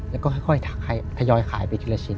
แล้วก็ค่อยทยอยขายไปทีละชิ้น